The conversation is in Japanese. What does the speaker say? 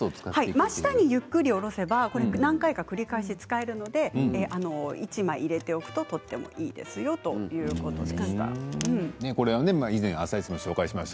真下にゆっくり下ろせば何回も繰り返して使えるので１枚入れておくといいですよということでした。